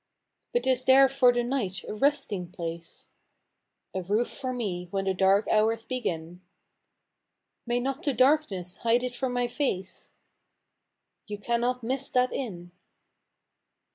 "" But is there for the night a resting place ?"" A roof for me when the dark hours begin !"" May not the darkness hide it from my face ?"" You cannot miss that inn